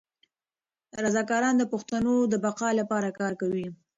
رضاکاران د پښتو د بقا لپاره کار کوي.